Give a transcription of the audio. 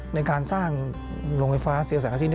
ในการสร้างโรงไฟฟ้าเซียลแสงอาทิต